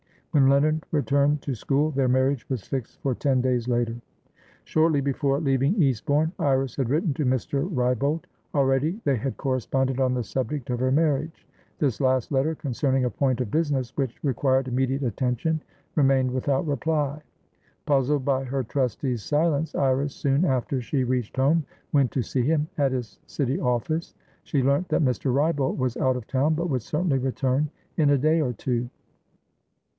When Leonard returned to school, their marriage was fixed for ten days later. Shortly before leaving Eastbourne, Iris had written to Mr. Wrybolt. Already they had corresponded on the subject of her marriage; this last letter, concerning a point of business which required immediate attention, remained without reply. Puzzled by her trustee's silence, Iris, soon after she reached home, went to see him at his City Office. She learnt that Mr. Wrybolt was out of town, but would certainly return in a day or two.